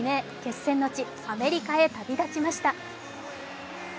今日未明、決戦の地、アメリカへ旅立ちました。